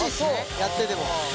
やってても。